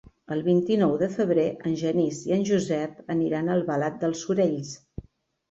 El vint-i-nou de febrer en Genís i en Josep aniran a Albalat dels Sorells.